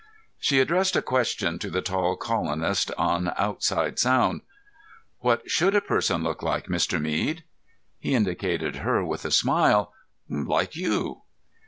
She addressed a question to the tall colonist on outside sound. "What should a person look like, Mr. Mead?" He indicated her with a smile. "Like you."